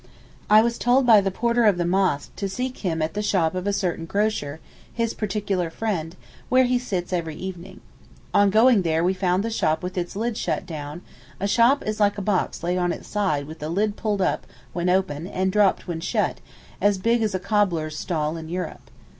I was told by the porter of the mosque to seek him at the shop of a certain grocer, his particular friend, where he sits every evening. On going there we found the shop with its lid shut down (a shop is like a box laid on its side with the lid pulled up when open and dropped when shut; as big as a cobbler's stall in Europe).